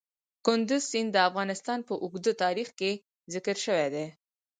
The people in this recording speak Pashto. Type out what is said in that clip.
کندز سیند د افغانستان په اوږده تاریخ کې ذکر شوی دی.